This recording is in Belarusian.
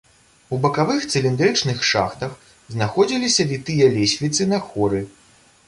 У бакавых цыліндрычных шахтах знаходзіліся вітыя лесвіцы на хоры.